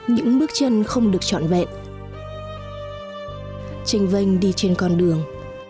những bước chân không được chọn vẹn trình vanh đi trên con đường